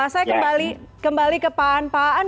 saya kembali ke pak an